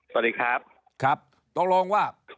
สวัสดีครับครับตกลงว่า